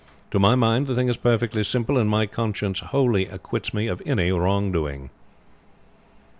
To my mind the thing is perfectly simple, and my conscience wholly acquits me of any wrong doing."